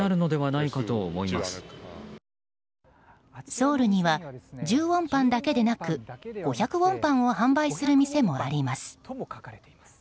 ソウルには１０ウォンパンだけでなく５００ウォンパンを販売する店もあります。